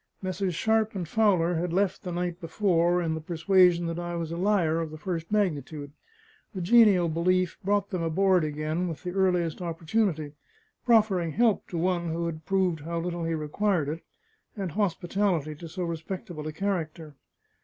Messieurs Sharpe and Fowler had left the night before in the persuasion that I was a liar of the first magnitude; the genial belief brought them aboard again with the earliest opportunity, proffering help to one who had proved how little he required it, and hospitality to so respectable a character.